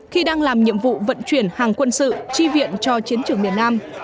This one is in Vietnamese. khi đang làm nhiệm vụ vận chuyển hàng quân sự chi viện cho chiến trường miền nam